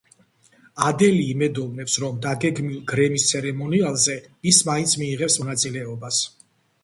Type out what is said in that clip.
ადელი იმედოვნებს, რომ დაგეგმილ გრემის ცერემონიალზე ის მაინც მიიღებს მონაწილეობას.